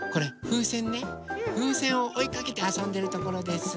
ふうせんをおいかけてあそんでるところです。